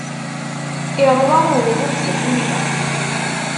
Iṛwa uɣbub tasumta.